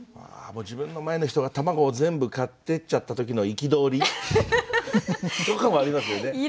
自分の前の人が卵を全部買ってっちゃった時の憤り。とかもありますよね。